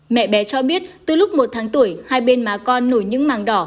mẹ bé cho biết từ lúc một tháng tuổi hai bên má con nổi những màng đỏ